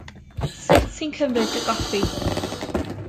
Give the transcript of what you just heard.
Sut ti'n cymryd dy goffi?